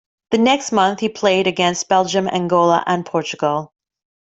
The next month he played against Belgium, Angola and Portugal.